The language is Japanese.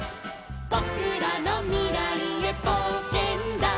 「ぼくらのみらいへぼうけんだ」